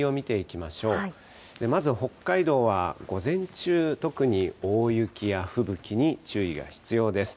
まずは北海道は午前中、特に大雪や吹雪に注意が必要です。